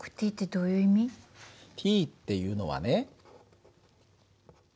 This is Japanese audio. ｔっていうのはね。